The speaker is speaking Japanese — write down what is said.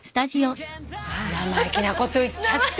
生意気なこと言っちゃってもう。